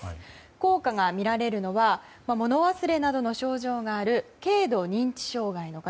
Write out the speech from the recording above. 効果が見られるのは物忘れなどの症状がある軽度認知障害の方。